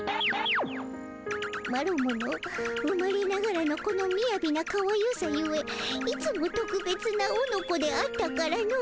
マロもの生まれながらのこのみやびなかわゆさゆえいつもとくべつなおのこであったからの。